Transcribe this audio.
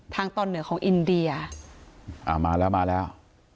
ตอนเหนือของอินเดียอ่ามาแล้วมาแล้ว